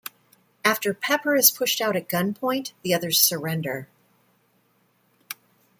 After Pepper is pushed out at gunpoint, the others surrender.